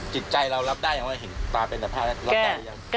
จิตใจเรารับได้หรือยังไม่เห็นตาเป็นแต่ผ้ารับได้หรือยังแก